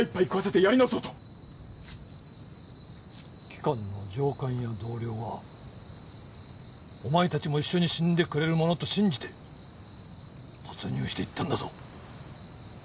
貴官の上官や同僚はお前たちも一緒に死んでくれるものと信じて突入していったんだぞ。